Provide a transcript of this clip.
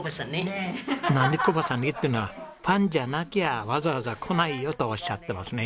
「なにこばさね」っていうのは「ファンじゃなきゃわざわざ来ないよ」とおっしゃってますね。